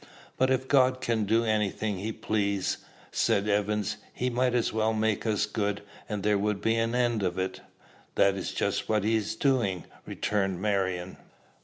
"But if God can do any thing he please," said Evans, "he might as well make us good, and there would be an end of it." "That is just what he is doing," returned Marion.